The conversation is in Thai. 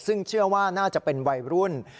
ซึ่งเชื่อว่าน่าจะเป็นวัยรุ่น